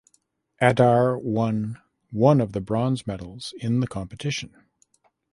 Adar won one of the bronze medals in the competition.